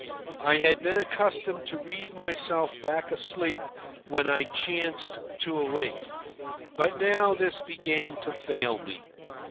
I had been accustomed to read myself back asleep when I chanced to awake. But now this began to fail me.